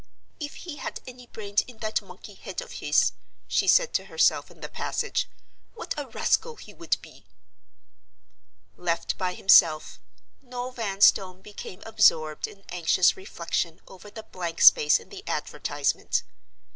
"If he had any brains in that monkey head of his," she said to herself in the passage, "what a rascal he would be!" Left by himself, Noel Vanstone became absorbed in anxious reflection over the blank space in the advertisement.